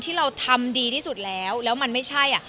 ที่เราทำดีที่สุดแล้วแล้วมันไม่ใช่อ่ะ